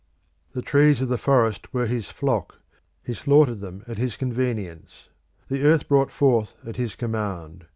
The trees of the forest were his flock, he slaughtered them at his convenience; the earth brought forth at his command.